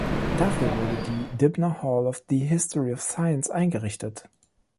Dafür wurde die "Dibner Hall of the History of Science" eingerichtet.